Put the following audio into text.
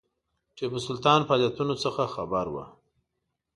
ټیپو سلطان فعالیتونو څخه خبر وو.